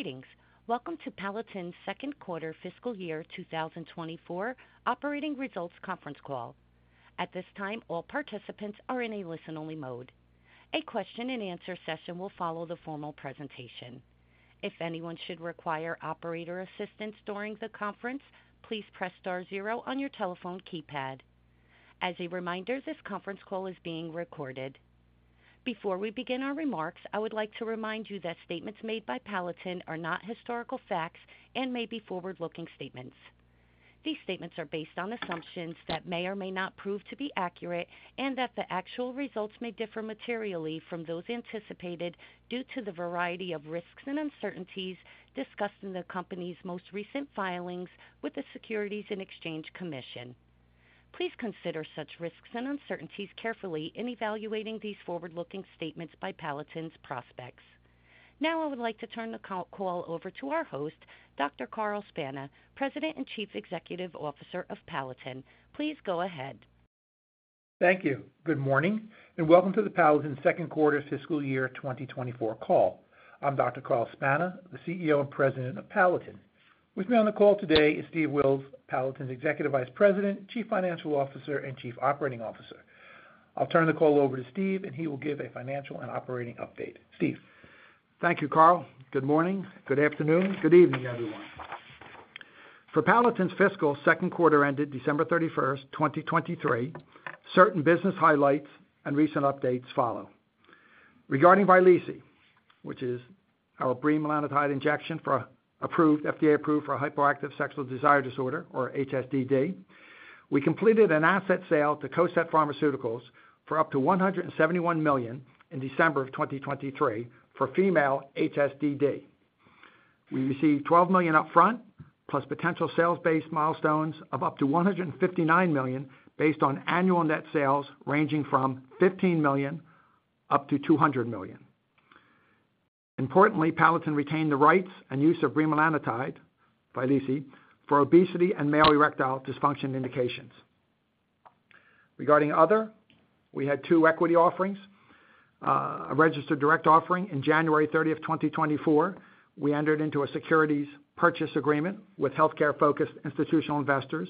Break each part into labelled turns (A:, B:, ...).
A: Greetings. Welcome to Palatin's second quarter fiscal year 2024 operating results conference call. At this time, all participants are in a listen-only mode. A question-and-answer session will follow the formal presentation. If anyone should require operator assistance during the conference, please press star zero on your telephone keypad. As a reminder, this conference call is being recorded. Before we begin our remarks, I would like to remind you that statements made by Palatin are not historical facts and may be forward-looking statements. These statements are based on assumptions that may or may not prove to be accurate, and that the actual results may differ materially from those anticipated due to the variety of risks and uncertainties discussed in the company's most recent filings with the Securities and Exchange Commission. Please consider such risks and uncertainties carefully in evaluating these forward-looking statements by Palatin's prospects. Now I would like to turn the call over to our host, Dr. Carl Spana, President and Chief Executive Officer of Palatin. Please go ahead.
B: Thank you. Good morning and welcome to the Palatin second quarter fiscal year 2024 call. I'm Dr. Carl Spana, the CEO and President of Palatin. With me on the call today is Steve Wills, Palatin's Executive Vice President, Chief Financial Officer, and Chief Operating Officer. I'll turn the call over to Steve, and he will give a financial and operating update. Steve.
C: Thank you, Carl. Good morning. Good afternoon. Good evening, everyone. For Palatin's fiscal second quarter ended December 31st, 2023, certain business highlights and recent updates follow. Regarding Vyleesi, which is our bremelanotide injection for FDA-approved hypoactive sexual desire disorder, or HSDD, we completed an asset sale to Cosette Pharmaceuticals for up to $171 million in December of 2023 for female HSDD. We received $12 million upfront, plus potential sales-based milestones of up to $159 million based on annual net sales ranging from $15 million-$200 million. Importantly, Palatin retained the rights and use of bremelanotide, Vyleesi, for obesity and male erectile dysfunction indications. Regarding other, we had two equity offerings. A registered direct offering in January 30th, 2024, we entered into a securities purchase agreement with healthcare-focused institutional investors,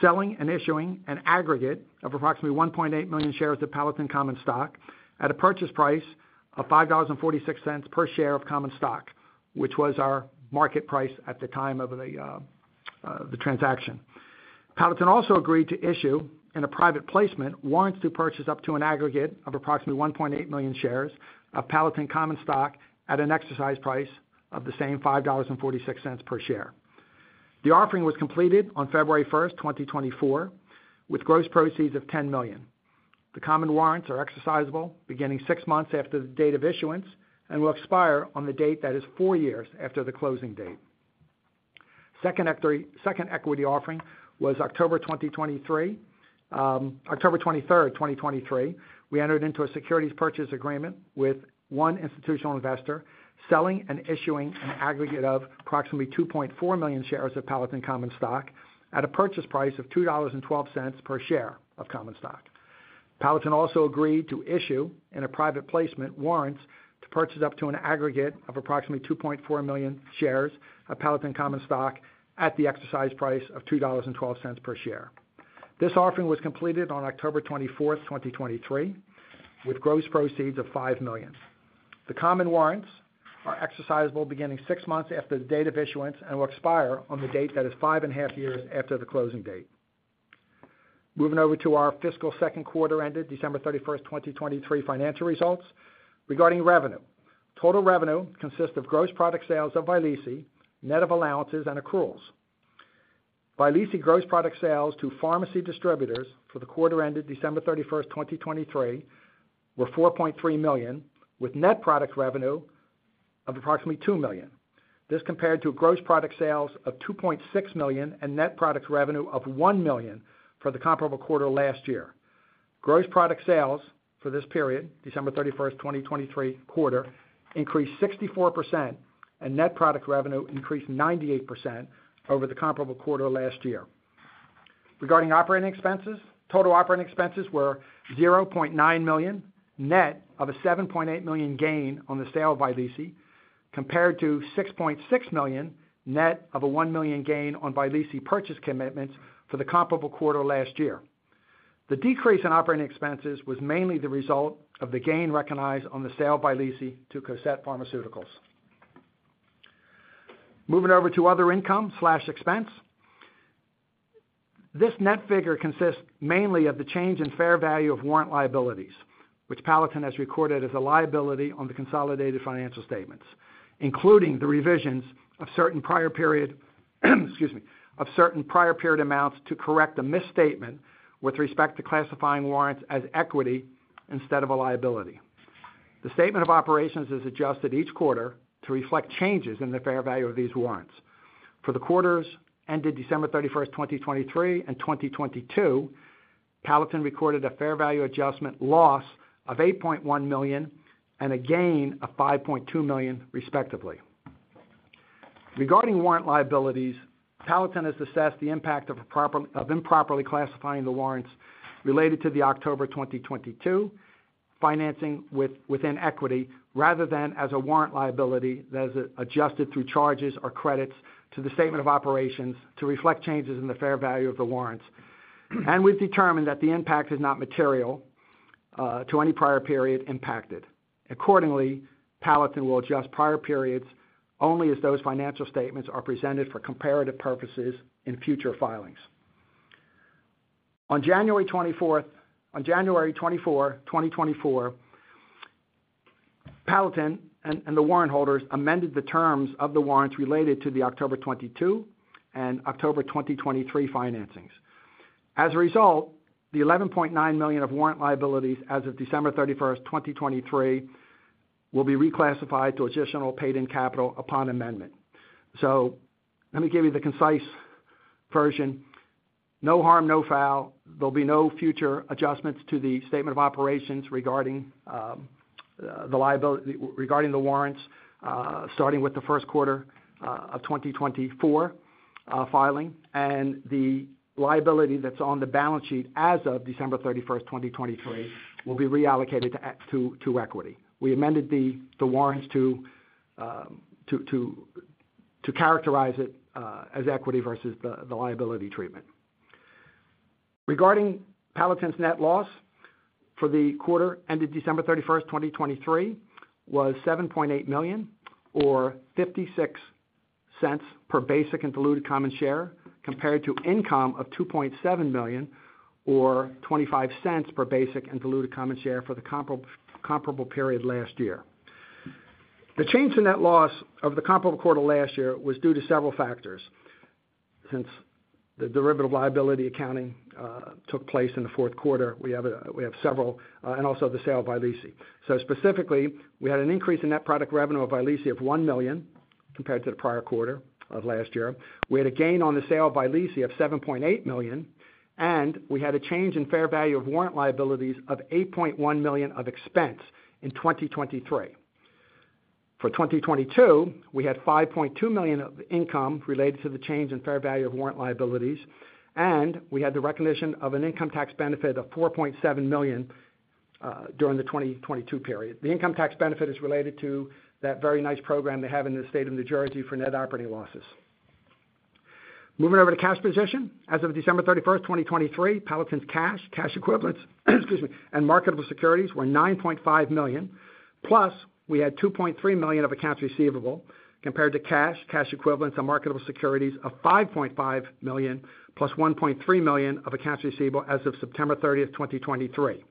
C: selling and issuing an aggregate of approximately 1.8 million shares of Palatin Common Stock at a purchase price of $5.46 per share of Common Stock, which was our market price at the time of the transaction. Palatin also agreed to issue, in a private placement, warrants to purchase up to an aggregate of approximately 1.8 million shares of Palatin Common Stock at an exercise price of the same $5.46 per share. The offering was completed on February 1st, 2024, with gross proceeds of $10 million. The common warrants are exercisable beginning six months after the date of issuance and will expire on the date that is four years after the closing date. Second equity offering was October 2023. October 23rd, 2023, we entered into a securities purchase agreement with one institutional investor, selling and issuing an aggregate of approximately 2.4 million shares of Palatin Common Stock at a purchase price of $2.12 per share of Common Stock. Palatin also agreed to issue, in a private placement, warrants to purchase up to an aggregate of approximately 2.4 million shares of Palatin Common Stock at the exercise price of $2.12 per share. This offering was completed on October 24th, 2023, with gross proceeds of $5 million. The common warrants are exercisable beginning six months after the date of issuance and will expire on the date that is five and a half years after the closing date. Moving over to our fiscal second quarter ended December 31st, 2023, financial results. Regarding revenue, total revenue consists of gross product sales of Vyleesi, net of allowances and accruals. Vyleesi gross product sales to pharmacy distributors for the quarter ended December 31st, 2023, were $4.3 million, with net product revenue of approximately $2 million. This compared to gross product sales of $2.6 million and net product revenue of $1 million for the comparable quarter last year. Gross product sales for this period, December 31st, 2023, quarter, increased 64%, and net product revenue increased 98% over the comparable quarter last year. Regarding operating expenses, total operating expenses were $0.9 million, net of a $7.8 million gain on the sale of Vyleesi, compared to $6.6 million, net of a $1 million gain on Vyleesi purchase commitments for the comparable quarter last year. The decrease in operating expenses was mainly the result of the gain recognized on the sale of Vyleesi to Cosette Pharmaceuticals. Moving over to other income/expense, this net figure consists mainly of the change in fair value of warrant liabilities, which Palatin has recorded as a liability on the consolidated financial statements, including the revisions of certain prior period, excuse me, of certain prior period amounts to correct a misstatement with respect to classifying warrants as equity instead of a liability. The statement of operations is adjusted each quarter to reflect changes in the fair value of these warrants. For the quarters ended December 31st, 2023, and 2022, Palatin recorded a fair value adjustment loss of $8.1 million and a gain of $5.2 million, respectively. Regarding warrant liabilities, Palatin has assessed the impact of improperly classifying the warrants related to the October 2022 financing within equity rather than as a warrant liability that is adjusted through charges or credits to the statement of operations to reflect changes in the fair value of the warrants, and we've determined that the impact is not material to any prior period impacted. Accordingly, Palatin will adjust prior periods only as those financial statements are presented for comparative purposes in future filings. On January 24th, 2024, Palatin and the warrant holders amended the terms of the warrants related to the October 2022 and October 2023 financings. As a result, the $11.9 million of warrant liabilities as of December 31st, 2023, will be reclassified to additional paid-in capital upon amendment. So let me give you the concise version. No harm, no foul. There'll be no future adjustments to the statement of operations regarding the warrants, starting with the first quarter of 2024 filing, and the liability that's on the balance sheet as of December 31st, 2023, will be reallocated to equity. We amended the warrants to characterize it as equity versus the liability treatment. Regarding Palatin's net loss for the quarter ended December 31st, 2023, was $7.8 million or $0.56 per basic and diluted common share, compared to income of $2.7 million or $0.25 per basic and diluted common share for the comparable period last year. The change in net loss of the comparable quarter last year was due to several factors. Since the derivative liability accounting took place in the fourth quarter, we have several and also the sale of Vyleesi. So specifically, we had an increase in net product revenue of Vyleesi of $1 million compared to the prior quarter of last year. We had a gain on the sale of Vyleesi of $7.8 million, and we had a change in fair value of warrant liabilities of $8.1 million of expense in 2023. For 2022, we had $5.2 million of income related to the change in fair value of warrant liabilities, and we had the recognition of an income tax benefit of $4.7 million during the 2022 period. The income tax benefit is related to that very nice program they have in the state of New Jersey for net operating losses. Moving over to cash position. As of December 31st, 2023, Palatin's cash, cash equivalents excuse me, and marketable securities were $9.5 million, plus we had $2.3 million of accounts receivable compared to cash, cash equivalents, and marketable securities of $5.5 million, plus $1.3 million of accounts receivable as of September 30th, 2023.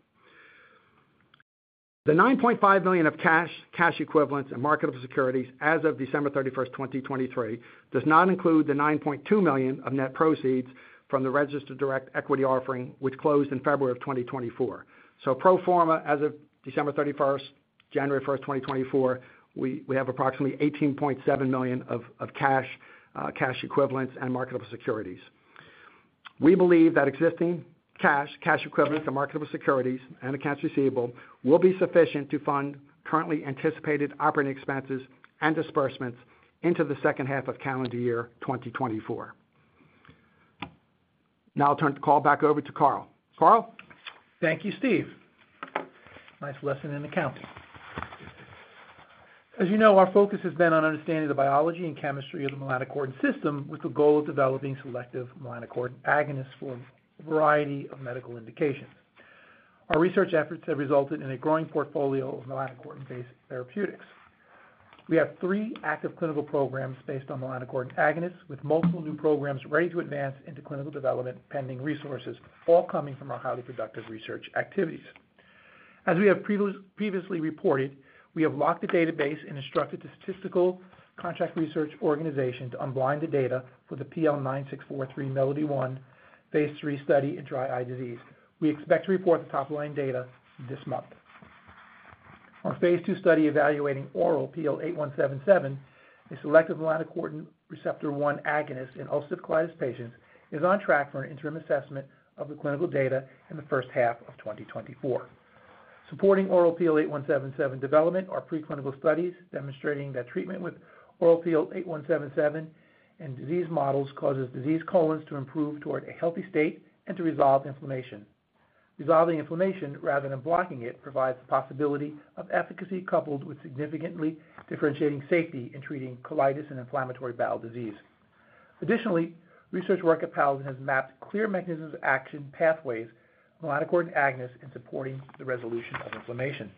C: The $9.5 million of cash, cash equivalents, and marketable securities as of December 31st, 2023, does not include the $9.2 million of net proceeds from the registered direct equity offering, which closed in February of 2024. So pro forma, as of December 31st, January 1st, 2024, we have approximately $18.7 million of cash, cash equivalents, and marketable securities. We believe that existing cash, cash equivalents, and marketable securities and accounts receivable will be sufficient to fund currently anticipated operating expenses and disbursements into the second half of calendar year 2024. Now I'll turn the call back over to Carl. Carl?
B: Thank you, Steve. Nice lesson in accounting. As you know, our focus has been on understanding the biology and chemistry of the melanocortin system with the goal of developing selective melanocortin agonists for a variety of medical indications. Our research efforts have resulted in a growing portfolio of melanocortin-based therapeutics. We have three active clinical programs based on melanocortin agonists, with multiple new programs ready to advance into clinical development pending resources, all coming from our highly productive research activities. As we have previously reported, we have locked the database and instructed the statistical contract research organization to unblind the data for the PL9643-MELODY-1 Phase III study in dry eye disease. We expect to report the top-line data this month. Our phase II study evaluating oral PL8177, a selective melanocortin receptor 1 agonist in ulcerative colitis patients, is on track for an interim assessment of the clinical data in the first half of 2024. Supporting oral PL8177 development are preclinical studies demonstrating that treatment with oral PL8177 and disease models causes diseased colons to improve toward a healthy state and to resolve inflammation. Resolving inflammation rather than blocking it provides the possibility of efficacy coupled with significantly differentiating safety in treating colitis and inflammatory bowel disease. Additionally, research work at Palatin has mapped clear mechanisms of action pathways of melanocortin agonists in supporting the resolution of inflammation.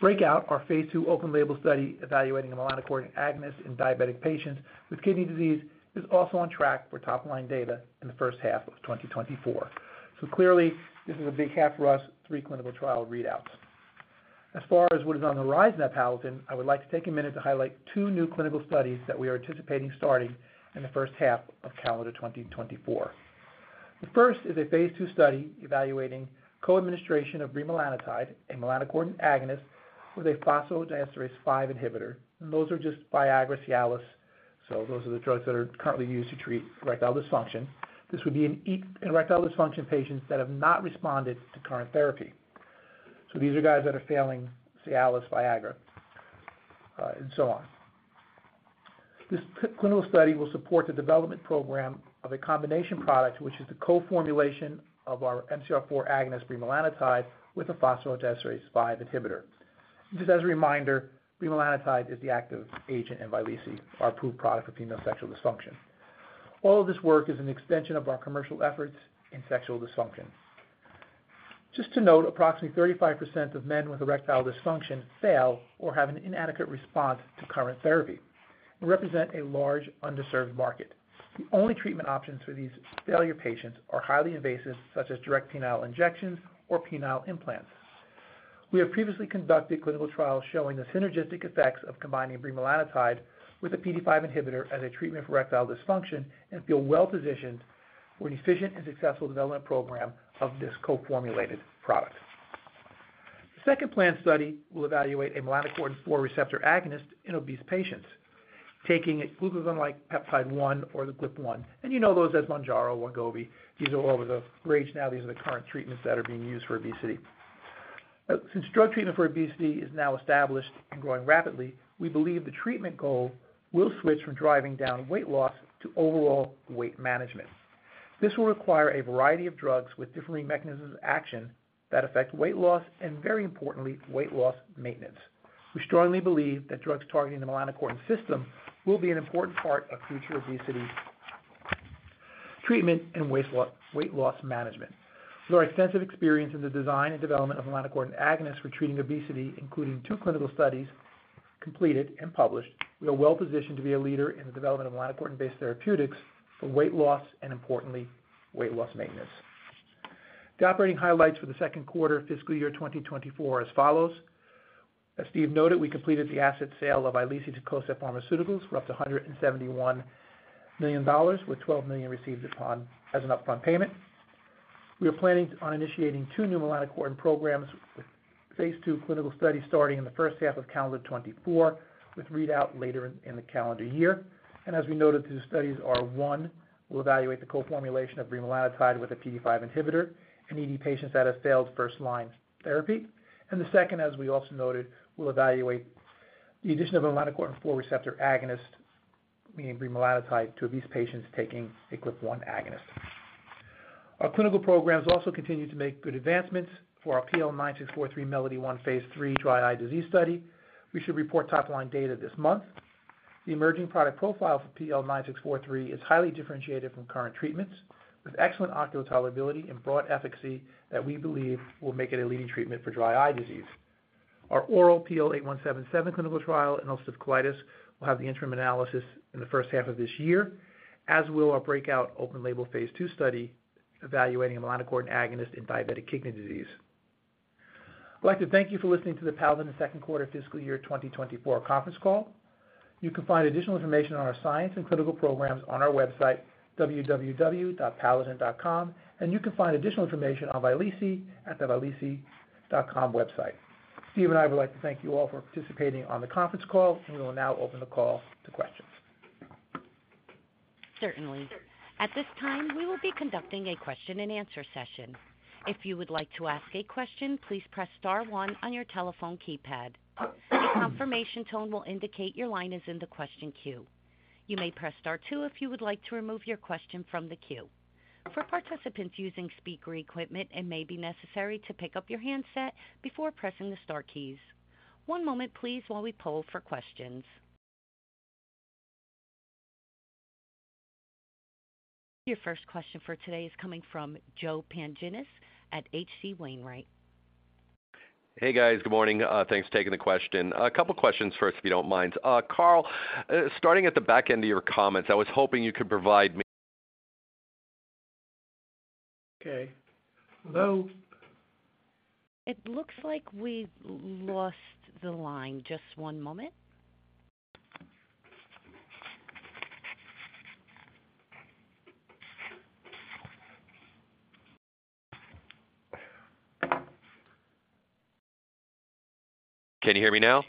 B: BREAKOUT, our phase II open-label study evaluating a melanocortin agonist in diabetic patients with kidney disease, is also on track for top-line data in the first half of 2024. So clearly, this is a big half for us, three clinical trial readouts. As far as what is on the horizon at Palatin, I would like to take a minute to highlight two new clinical studies that we are anticipating starting in the first half of calendar 2024. The first is a phase II study evaluating co-administration of bremelanotide, a melanocortin agonist with a phosphodiesterase-5 inhibitor. Those are just Viagra/Cialis. Those are the drugs that are currently used to treat erectile dysfunction. This would be in erectile dysfunction patients that have not responded to current therapy. These are guys that are failing Cialis, Viagra, and so on. This clinical study will support the development program of a combination product, which is the co-formulation of our MC4R agonist, bremelanotide, with a phosphodiesterase-5 inhibitor. Just as a reminder, bremelanotide is the active agent in Vyleesi, our approved product for female sexual dysfunction. All of this work is an extension of our commercial efforts in sexual dysfunction. Just to note, approximately 35% of men with erectile dysfunction fail or have an inadequate response to current therapy and represent a large underserved market. The only treatment options for these failure patients are highly invasive, such as direct penile injections or penile implants. We have previously conducted clinical trials showing the synergistic effects of combining bremelanotide with a PDE5 inhibitor as a treatment for erectile dysfunction and feel well-positioned for an efficient and successful development program of this co-formulated product. The second planned study will evaluate a melanocortin-4 receptor agonist in obese patients, taking glucagon-like peptide-1 or the GLP-1. And you know those as Mounjaro or Ozempic. These are all the rage now. These are the current treatments that are being used for obesity. Since drug treatment for obesity is now established and growing rapidly, we believe the treatment goal will switch from driving down weight loss to overall weight management. This will require a variety of drugs with differing mechanisms of action that affect weight loss and, very importantly, weight loss maintenance. We strongly believe that drugs targeting the melanocortin system will be an important part of future obesity treatment and weight loss management. With our extensive experience in the design and development of melanocortin agonists for treating obesity, including two clinical studies completed and published, we are well-positioned to be a leader in the development of melanocortin-based therapeutics for weight loss and, importantly, weight loss maintenance. The operating highlights for the second quarter fiscal year 2024 are as follows. As Steve noted, we completed the asset sale of Vyleesi to Cosette Pharmaceuticals for up to $171 million, with $12 million received as an upfront payment. We are planning on initiating two new melanocortin programs with Phase II clinical studies starting in the first half of calendar 2024 with readout later in the calendar year. As we noted, these studies are one, will evaluate the co-formulation of bremelanotide with a PDE5 inhibitor in ED patients that have failed first-line therapy. The second, as we also noted, will evaluate the addition of a melanocortin-4 receptor agonist, meaning bremelanotide, to obese patients taking a GLP-1 agonist. Our clinical programs also continue to make good advancements for our PL9643-MELODY-1 Phase III dry eye disease study. We should report top-line data this month. The emerging product profile for PL9643 is highly differentiated from current treatments, with excellent ocular tolerability and broad efficacy that we believe will make it a leading treatment for dry eye disease. Our oral PL8177 clinical trial in ulcerative colitis will have the interim analysis in the first half of this year, as will our BREAKOUT open-label Phase II study evaluating a melanocortin agonist in diabetic kidney disease. I'd like to thank you for listening to the Palatin second quarter fiscal year 2024 conference call. You can find additional information on our science and clinical programs on our website, www.palatin.com, and you can find additional information on Vyleesi at the vyleesi.com website. Steve and I would like to thank you all for participating on the conference call, and we will now open the call to questions.
A: Certainly. At this time, we will be conducting a question-and-answer session. If you would like to ask a question, please press star one on your telephone keypad. A confirmation tone will indicate your line is in the question queue. You may press star two if you would like to remove your question from the queue. For participants using speaker equipment, it may be necessary to pick up your handset before pressing the star keys. One moment, please, while we pull for questions. Your first question for today is coming from Joe Pantginis at H.C. Wainwright.
D: Hey, guys. Good morning. Thanks for taking the question. A couple of questions first, if you don't mind. Carl, starting at the back end of your comments, I was hoping you could provide me.
B: Okay. Hello.
A: It looks like we lost the line. Just one moment.
D: Can you hear me now?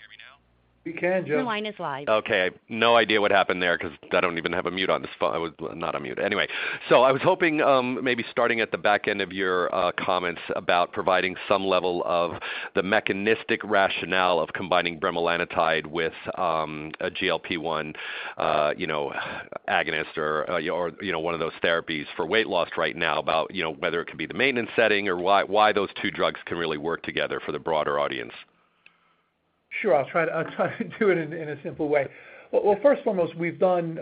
B: We can, Joe.
A: Your line is live.
D: Okay. I have no idea what happened there because I don't even have a mute on this phone. I was not on mute. Anyway, so I was hoping, maybe starting at the back end of your comments about providing some level of the mechanistic rationale of combining bremelanotide with a GLP-1 agonist or one of those therapies for weight loss right now, about whether it could be the maintenance setting or why those two drugs can really work together for the broader audience.
B: Sure. I'll try to do it in a simple way. Well, first and foremost, we've done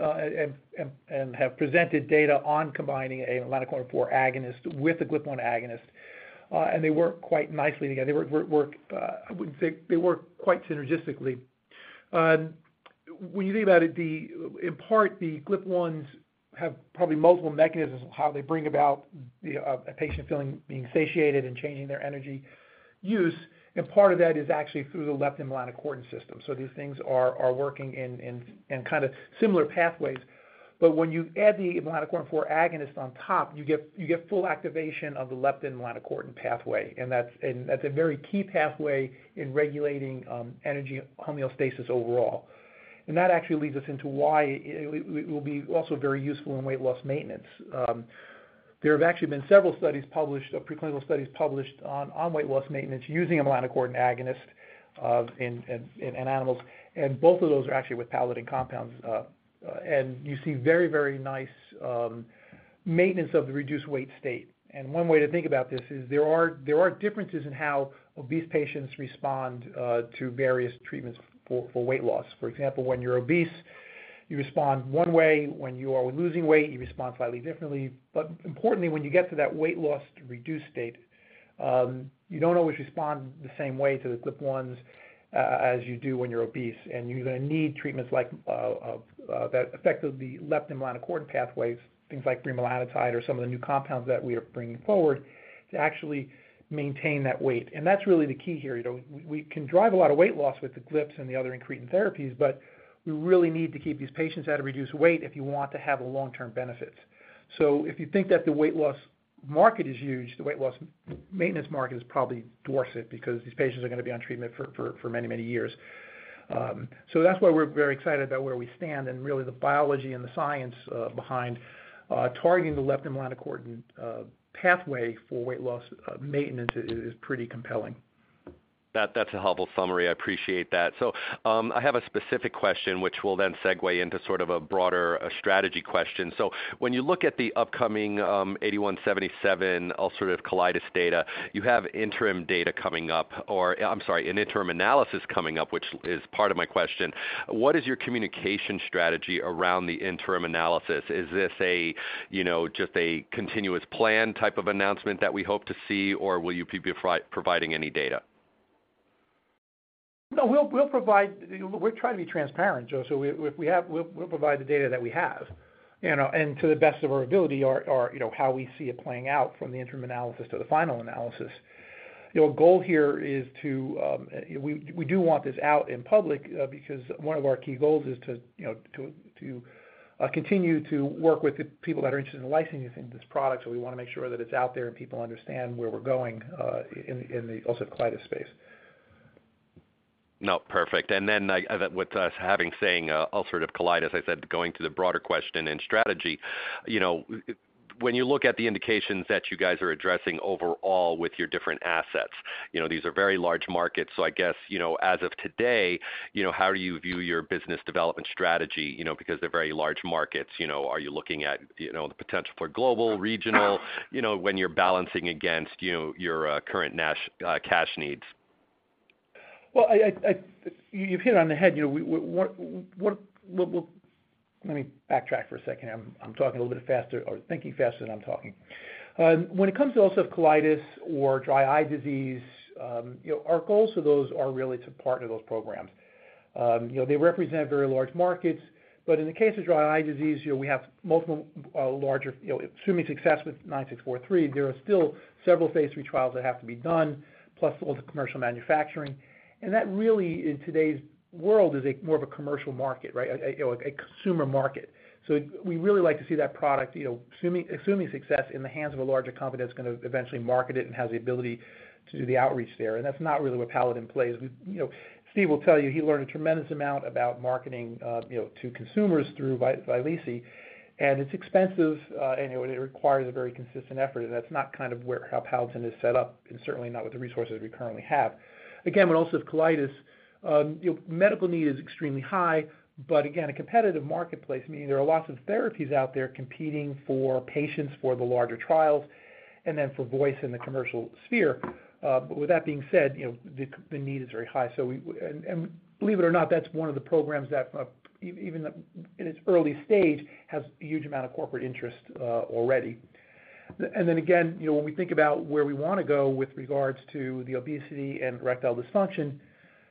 B: and have presented data on combining a melanocortin-4 agonist with a GLP-1 agonist, and they work quite nicely together. They work, I wouldn't say they work quite synergistically. When you think about it, in part, the GLP-1s have probably multiple mechanisms of how they bring about a patient feeling being satiated and changing their energy use. And part of that is actually through the leptin-melanocortin system. So these things are working in kind of similar pathways. But when you add the melanocortin-4 agonist on top, you get full activation of the leptin-melanocortin pathway. And that's a very key pathway in regulating energy homeostasis overall. And that actually leads us into why it will be also very useful in weight loss maintenance. There have actually been several studies published, preclinical studies published on weight loss maintenance using a melanocortin agonist in animals. Both of those are actually with Palatin compounds. You see very, very nice maintenance of the reduced weight state. One way to think about this is there are differences in how obese patients respond to various treatments for weight loss. For example, when you're obese, you respond one way. When you are losing weight, you respond slightly differently. But importantly, when you get to that weight loss reduced state, you don't always respond the same way to the GLP-1s as you do when you're obese. You're going to need treatments that affect the leptin-melanocortin pathways, things like bremelanotide or some of the new compounds that we are bringing forward to actually maintain that weight. That's really the key here. We can drive a lot of weight loss with the GLPs and the other incretin therapies, but we really need to keep these patients at a reduced weight if you want to have long-term benefits. So if you think that the weight loss market is huge, the weight loss maintenance market is probably dwarfed because these patients are going to be on treatment for many, many years. So that's why we're very excited about where we stand. And really, the biology and the science behind targeting the leptin-melanocortin pathway for weight loss maintenance is pretty compelling.
D: That's a helpful summary. I appreciate that. I have a specific question, which will then segue into sort of a broader strategy question. When you look at the upcoming PL8177 ulcerative colitis data, you have interim data coming up or I'm sorry, an interim analysis coming up, which is part of my question. What is your communication strategy around the interim analysis? Is this just a continuous plan type of announcement that we hope to see, or will you be providing any data?
B: No, we'll provide. We're trying to be transparent, Joe. So we'll provide the data that we have and to the best of our ability or how we see it playing out from the interim analysis to the final analysis. A goal here is to we do want this out in public because one of our key goals is to continue to work with the people that are interested in licensing this product. So we want to make sure that it's out there and people understand where we're going in the ulcerative colitis space.
D: No, perfect. And then with us having saying ulcerative colitis, I said going to the broader question and strategy. When you look at the indications that you guys are addressing overall with your different assets, these are very large markets. So I guess as of today, how do you view your business development strategy? Because they're very large markets, are you looking at the potential for global, regional when you're balancing against your current cash needs?
B: Well, you've hit it on the head. Let me backtrack for a second here. I'm talking a little bit faster or thinking faster than I'm talking. When it comes to ulcerative colitis or dry eye disease, our goals for those are really to partner those programs. They represent very large markets. But in the case of dry eye disease, we have multiple larger assuming success with 9643, there are still several Phase III trials that have to be done, plus all the commercial manufacturing. And that really, in today's world, is more of a commercial market, right, a consumer market. So we really like to see that product assuming success in the hands of a larger company that's going to eventually market it and has the ability to do the outreach there. And that's not really where Palatin plays. Steve will tell you he learned a tremendous amount about marketing to consumers through Vyleesi. It's expensive, and it requires a very consistent effort. That's not kind of how Palatin is set up, and certainly not with the resources we currently have. Again, with ulcerative colitis, medical need is extremely high. But again, a competitive marketplace, meaning there are lots of therapies out there competing for patients for the larger trials and then for voice in the commercial sphere. But with that being said, the need is very high. Believe it or not, that's one of the programs that, even in its early stage, has a huge amount of corporate interest already. Then again, when we think about where we want to go with regards to the obesity and erectile dysfunction,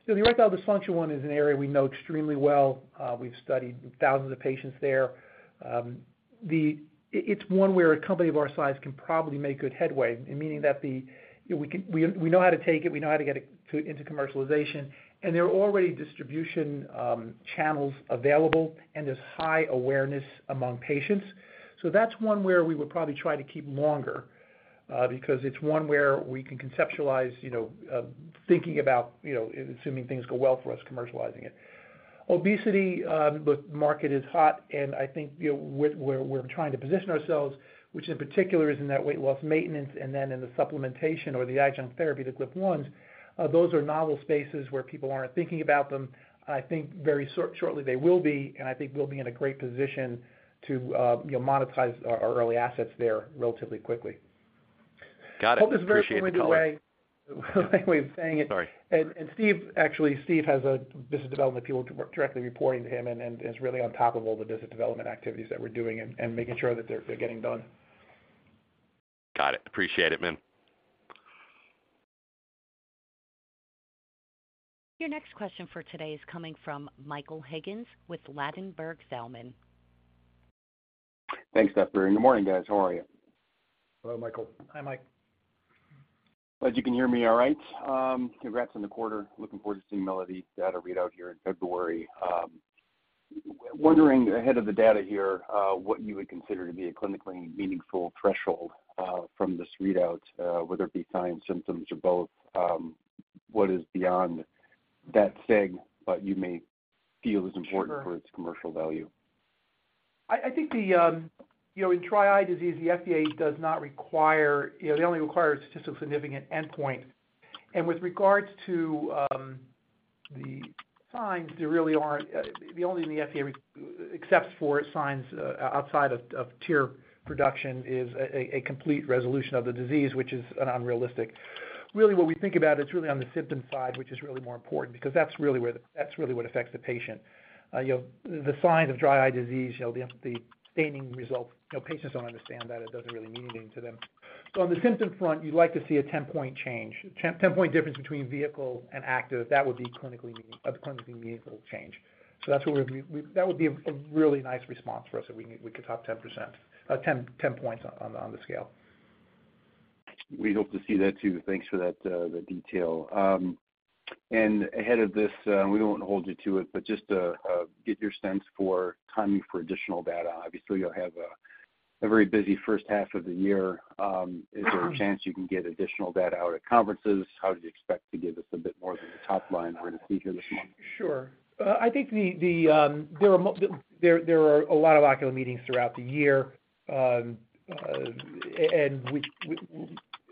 B: the erectile dysfunction one is an area we know extremely well. We've studied thousands of patients there. It's one where a company of our size can probably make good headway, meaning that we know how to take it. We know how to get it into commercialization. And there are already distribution channels available, and there's high awareness among patients. So that's one where we would probably try to keep longer because it's one where we can conceptualize thinking about assuming things go well for us, commercializing it. Obesity, the market is hot. And I think where we're trying to position ourselves, which in particular is in that weight loss maintenance and then in the supplementation or the adjunct therapy, the GLP-1s, those are novel spaces where people aren't thinking about them. I think very shortly, they will be. And I think we'll be in a great position to monetize our early assets there relatively quickly.
D: Got it. Appreciate the call.
B: I hope this is very pointed away.
D: Sorry.
B: Actually, Steve has a business development people directly reporting to him and is really on top of all the business development activities that we're doing and making sure that they're getting done.
D: Got it. Appreciate it, man.
A: Your next question for today is coming from Michael Higgins with Ladenburg Thalmann.
E: Thanks, Stephanie. Good morning, guys. How are you?
C: Hello, Michael.
B: Hi, Mike.
E: Glad you can hear me all right. Congrats on the quarter. Looking forward to seeing Melody's data readout here in February. Wondering ahead of the data here what you would consider to be a clinically meaningful threshold from this readout, whether it be signs, symptoms, or both. What is beyond that segue but you may feel is important for its commercial value?
B: Sure. I think in dry eye disease, the FDA does not require they only require a statistically significant endpoint. And with regards to the signs, there really aren't the only thing the FDA accepts for signs outside of tear production is a complete resolution of the disease, which is unrealistic. Really, what we think about, it's really on the symptom side, which is really more important because that's really what affects the patient. The signs of dry eye disease, the staining results, patients don't understand that. It doesn't really mean anything to them. So on the symptom front, you'd like to see a 10-point change, 10-point difference between vehicle and active. That would be a clinically meaningful change. So that would be a really nice response for us if we could top 10%, 10 points on the scale.
E: We hope to see that too. Thanks for that detail. And ahead of this, we won't hold you to it, but just get your sense for timing for additional data. Obviously, you'll have a very busy first half of the year. Is there a chance you can get additional data out at conferences? How do you expect to give us a bit more than the top line we're going to see here this month?
B: Sure. I think there are a lot of ocular meetings throughout the year.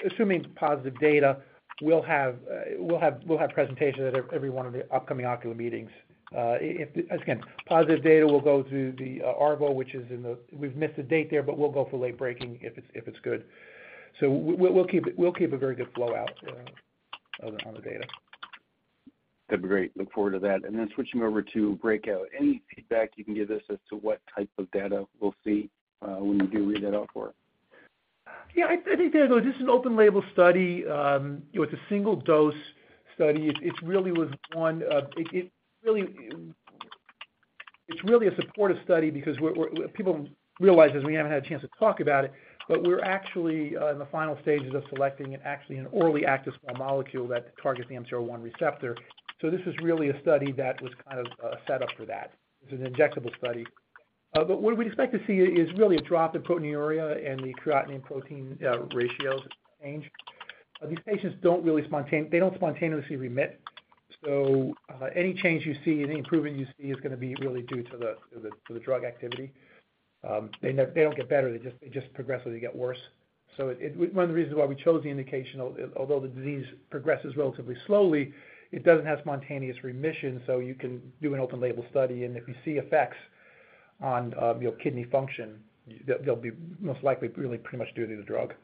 B: Assuming positive data, we'll have presentations at every one of the upcoming ocular meetings. Again, positive data will go through the ARVO, which is in the we've missed a date there, but we'll go for late breaking if it's good. So we'll keep a very good flow out on the data.
E: That'd be great. Look forward to that. Then switching over to Breakout, any feedback you can give us as to what type of data we'll see when you do read that out for us?
B: Yeah. I think, though, this is an open-label study. It's a single-dose study. It really was. It's really a supportive study because people realize that we haven't had a chance to talk about it, but we're actually in the final stages of selecting actually an orally active small molecule that targets the MC1 receptor. So this is really a study that was kind of set up for that. It's an injectable study. But what we'd expect to see is really a drop in proteinuria and the creatinine protein ratios change. These patients don't spontaneously remit. So any change you see, any improvement you see is going to be really due to the drug activity. They don't get better. They just progressively get worse. So one of the reasons why we chose the indication, although the disease progresses relatively slowly, it doesn't have spontaneous remission. You can do an open-label study. If you see effects on kidney function, they'll be most likely really pretty much due to the drug.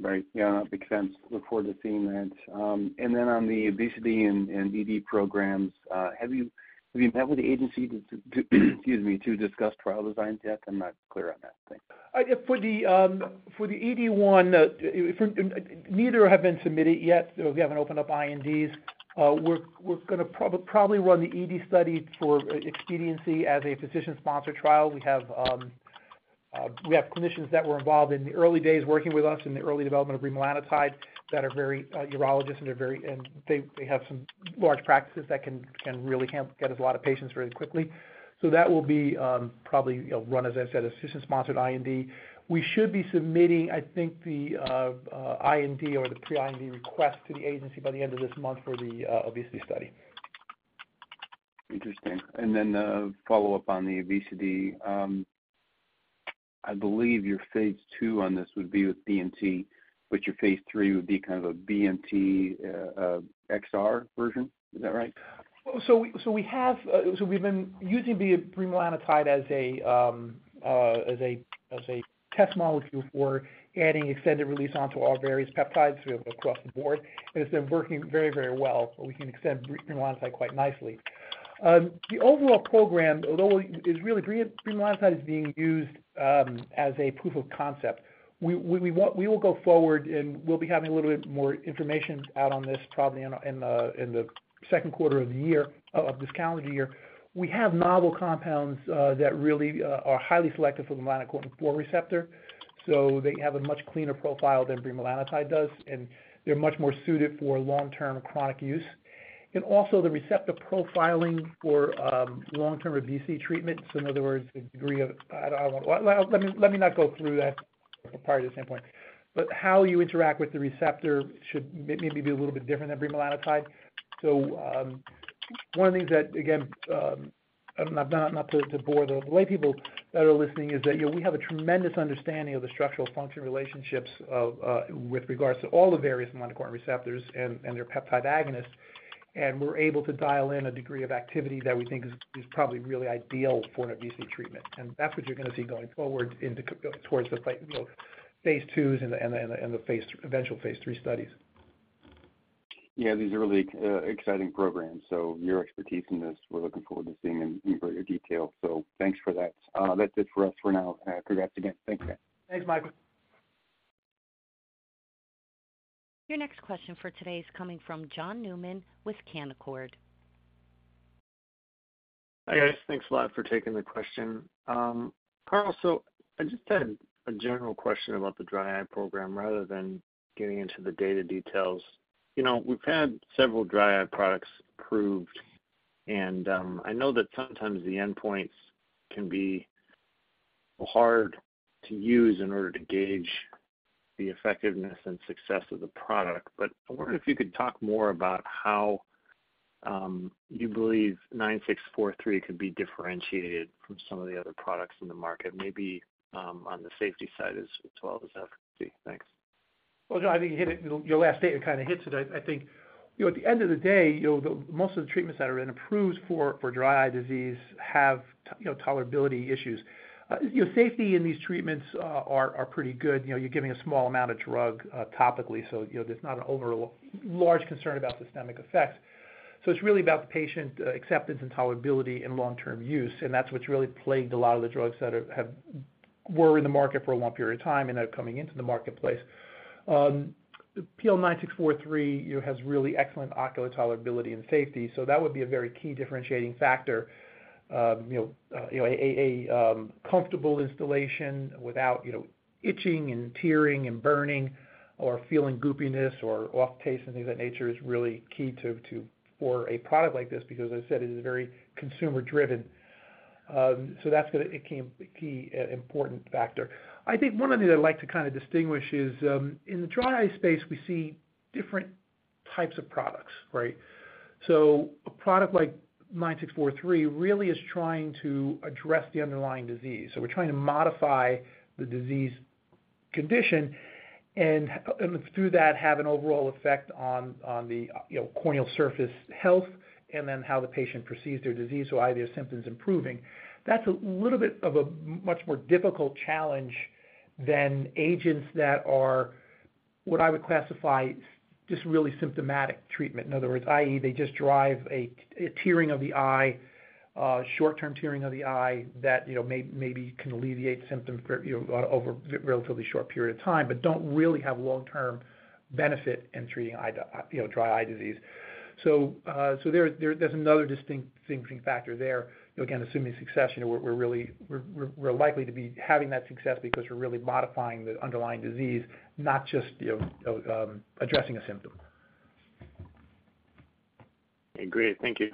E: Right. Yeah, that makes sense. Look forward to seeing that. And then on the obesity and ED programs, have you met with the agency to excuse me, to discuss trial designs yet? I'm not clear on that. Thanks.
B: For the ED one, neither have been submitted yet. We haven't opened up INDs. We're going to probably run the ED study for expediency as a physician-sponsored trial. We have clinicians that were involved in the early days working with us in the early development of bremelanotide that are very urologists, and they have some large practices that can really get us a lot of patients very quickly. So that will be probably run, as I said, as a physician-sponsored IND. We should be submitting, I think, the IND or the pre-IND request to the agency by the end of this month for the obesity study.
E: Interesting. And then follow-up on the obesity, I believe your phase II on this would be with BMT, but your phase III would be kind of a BMT XR version. Is that right?
B: So we've been using bremelanotide as a test molecule for adding extended release onto all various peptides across the board. It's been working very, very well. We can extend bremelanotide quite nicely. The overall program, although it's really bremelanotide is being used as a proof of concept, we will go forward, and we'll be having a little bit more information out on this probably in the second quarter of this calendar year. We have novel compounds that really are highly selective for the melanocortin 4 receptor. So they have a much cleaner profile than bremelanotide does. They're much more suited for long-term chronic use. Also, the receptor profiling for long-term obesity treatment, so in other words, the degree of I don't want to let me not go through that proprietary standpoint. But how you interact with the receptor should maybe be a little bit different than bremelanotide. So one of the things that, again, not to bore the laypeople that are listening, is that we have a tremendous understanding of the structural function relationships with regards to all the various melanocortin receptors and their peptide agonists. And we're able to dial in a degree of activity that we think is probably really ideal for an obesity treatment. And that's what you're going to see going forward towards the phase IIs and the eventual phase III studies.
E: Yeah, these are really exciting programs. So your expertise in this, we're looking forward to seeing in greater detail. So thanks for that. That's it for us for now. Congrats again. Thanks, man.
B: Thanks, Michael.
A: Your next question for today is coming from John Newman with Canaccord.
F: Hi, guys. Thanks a lot for taking the question. Carl, I just had a general question about the dry eye program rather than getting into the data details. We've had several dry eye products approved. I know that sometimes the endpoints can be hard to use in order to gauge the effectiveness and success of the product. I wonder if you could talk more about how you believe PL9643 could be differentiated from some of the other products in the market, maybe on the safety side as well as efficacy. Thanks.
B: Well, no, I think you hit it. Your last statement kind of hits it. I think at the end of the day, most of the treatments that are approved for dry eye disease have tolerability issues. Safety in these treatments are pretty good. You're giving a small amount of drug topically. So there's not an overly large concern about systemic effects. So it's really about the patient acceptance and tolerability and long-term use. And that's what's really plagued a lot of the drugs that were in the market for a long period of time and are coming into the marketplace. PL9643 has really excellent ocular tolerability and safety. So that would be a very key differentiating factor. A comfortable installation without itching and tearing and burning or feeling goopiness or off-taste and things of that nature is really key for a product like this because, as I said, it is very consumer-driven. So that's going to be a key, important factor. I think one of the things I'd like to kind of distinguish is in the dry eye space, we see different types of products, right? So a product like PL9643 really is trying to address the underlying disease. So we're trying to modify the disease condition and through that have an overall effect on the corneal surface health and then how the patient perceives their disease. So either symptoms improving. That's a little bit of a much more difficult challenge than agents that are what I would classify as just really symptomatic treatment. In other words, i.e., they just drive a tearing of the eye, short-term tearing of the eye that maybe can alleviate symptoms over a relatively short period of time but don't really have long-term benefit in treating dry eye disease. So there's another distinct thinking factor there. Again, assuming success, we're likely to be having that success because we're really modifying the underlying disease, not just addressing a symptom.
E: Agreed. Thank you.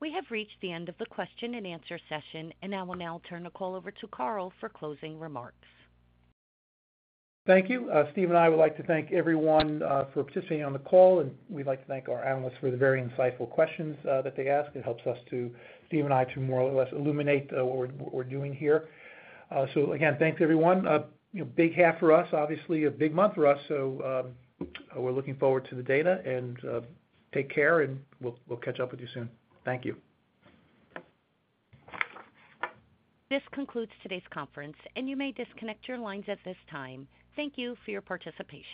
A: We have reached the end of the question-and-answer session. I will now turn the call over to Carl for closing remarks.
B: Thank you. Steve and I would like to thank everyone for participating on the call. And we'd like to thank our analysts for the very insightful questions that they asked. It helps us to, Steve and I, to more or less illuminate what we're doing here. So again, thanks, everyone. Big half for us, obviously, a big month for us. So we're looking forward to the data. And take care. And we'll catch up with you soon. Thank you.
A: This concludes today's conference. You may disconnect your lines at this time. Thank you for your participation.